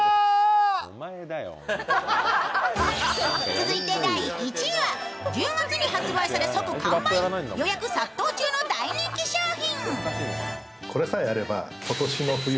続いて第１位は１０月に発売され即完売予約殺到中の大人気商品。